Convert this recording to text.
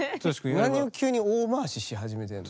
何を急に大回しし始めてんの？